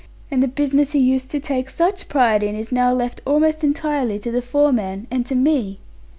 And the business he used to take such pride in is now left almost entirely to the foreman, and to me.'